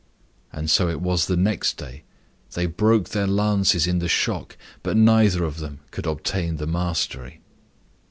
And so it was the next day; they broke their lances in the shock, but neither of them could obtain the mastery.